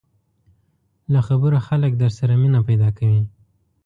له خبرو خلک در سره مینه پیدا کوي